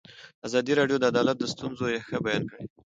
ازادي راډیو د عدالت د ستونزو رېښه بیان کړې.